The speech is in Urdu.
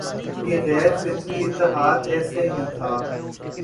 یہ غیر فطری اتحاد ایسے ہی تھا